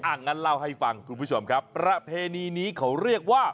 งั้นเล่าให้ฟังคุณผู้ชมครับประเพณีนี้เขาเรียกว่า